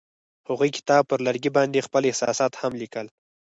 هغوی د کتاب پر لرګي باندې خپل احساسات هم لیکل.